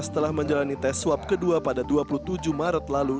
setelah menjalani tes swab kedua pada dua puluh tujuh maret lalu